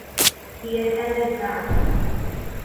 He attended Mt.